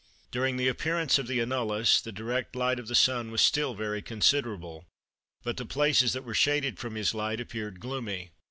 During the appearance of the annulus the direct light of the Sun was still very considerable, but the places that were shaded from his light appeared gloomy.